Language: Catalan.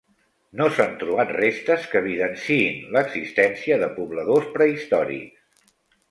No s'han trobat restes que evidenciïn l'existència de pobladors prehistòrics.